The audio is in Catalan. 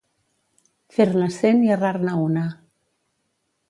Fer-ne cent i errar-ne una.